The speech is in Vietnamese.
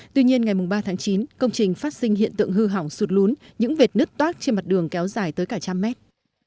tuy nhiên ngày ba tháng chín công trình phát sinh hiện tượng hư hỏng sụt lún những vệt nứt toác trên mặt đường kéo dài tới cả trăm mét